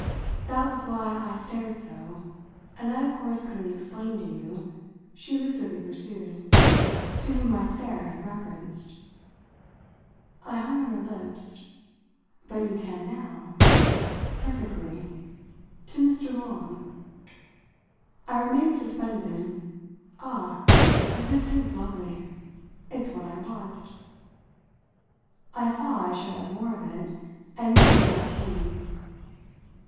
That was why I stared so, and I of course couldn't explain to you," she lucidly pursued, "to whom my stare had reference." I hung on her lips. "But you can now?" "Perfectly. To Mr. Long." I remained suspended. "Ah, but this is lovely! It's what I want." I saw I should have more of it, and more in fact came.